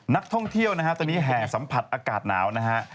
นักท่องเที่ยวนะฮะตอนนี้แห่สัมผัสอากาศหนาวนะฮะ